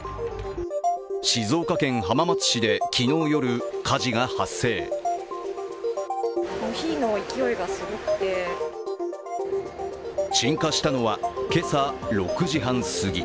静岡県浜松市で昨日夜、火事が発生鎮火したのは今朝６時半過ぎ。